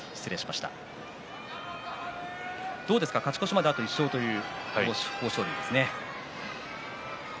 勝ち越しまであと１勝という豊昇龍です。